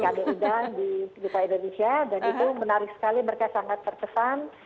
jadi kami undang di wisma dita indonesia dan itu menarik sekali mereka sangat terkesan